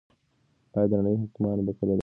ایا د نړۍ حاکمان به کله د خیر محمد غږ واوري؟